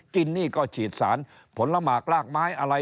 นี่ก็ฉีดสารผลหมากลากไม้อะไร